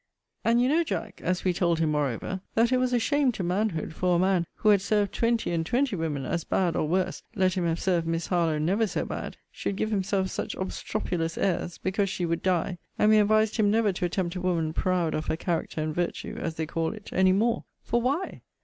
And you know, Jack, (as we told him, moreover,) that it was a shame to manhood, for a man, who had served twenty and twenty women as bad or worse, let him have served Miss Harlowe never so bad, should give himself such obstropulous airs, because she would die: and we advised him never to attempt a woman proud of her character and virtue, as they call it, any more: for why?